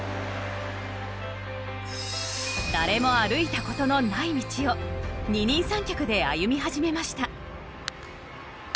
誰も歩いた事のない道を二人三脚で歩み始めました。